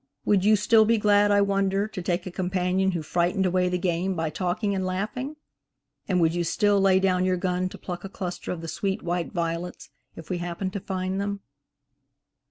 Would you still be glad, I wonder, to take a companion who frightened away the game by talking and laughing? And would you still lay down your gun to pluck a cluster of the sweet white violets if we happened to find them?